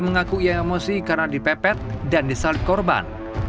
mengaku ia emosi karena dipepet dan disalip korban